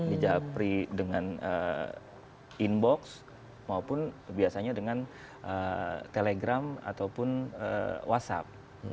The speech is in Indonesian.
di japri dengan inbox maupun biasanya dengan telegram ataupun whatsapp